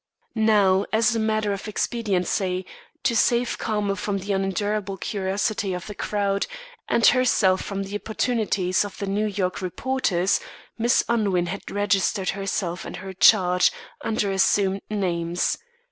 Now, as a matter of expediency to save Carmel from the unendurable curiosity of the crowd, and herself from the importunities of the New York reporters, Miss Unwin had registered herself and her charge under assumed names.